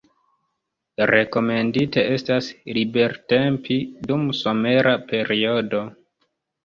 Rekomendite estas libertempi dum somera periodo.